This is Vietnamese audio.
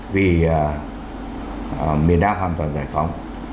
vì miền nam hoàn toàn giải phóng